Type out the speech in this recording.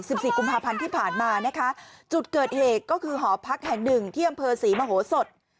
สิบสี่กุมภาพันธ์ที่ผ่านมานะคะจุดเกิดเหตุก็คือหอพักแห่งหนึ่งที่อำเภอศรีมโหสด